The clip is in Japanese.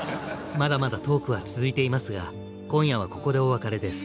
まだまだトークは続いていますが今夜はここでお別れです。